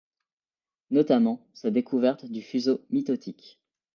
Notamment sa découverte du fuseau mitotique.